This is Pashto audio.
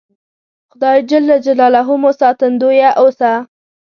خدای ج مو ساتندویه اوسه